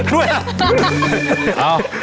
ด้วยกัน